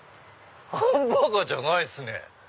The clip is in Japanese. ハンバーガーじゃないっすね。